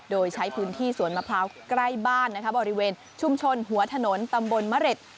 โดยใช้พื้นที่สวนมะพร้าวใกล้บ้านบริเวณชุมชนหัวถนนตำบลมะเร็ด